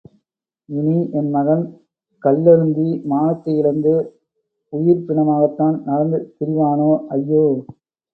இனி என் மகன் கள்ளருந்தி, மானத்தை இழந்து, உயிர்ப்பிணமாகத்தான் நடந்து திரிவானா? ஐயோ.